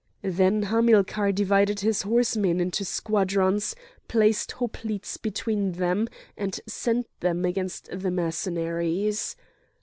Then Hamilcar divided his horsemen into squadrons, placed hoplites between them, and sent them against the Mercenaries.